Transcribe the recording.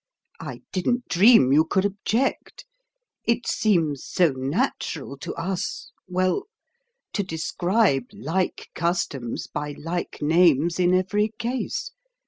I didn't dream you could object. It seems so natural to us well to describe like customs by like names in every case.